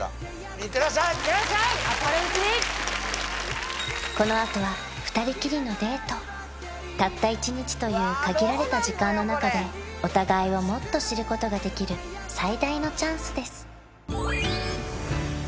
行ってらっしゃい明るいうちにたった１日という限られた時間の中でお互いをもっと知ることができる最大のチャンスです